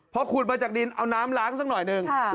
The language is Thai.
พอขุดมาจากดินเอาน้ำล้างสักหน่อยหนึ่ง